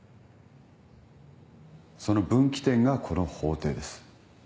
その分岐点がこの法廷です。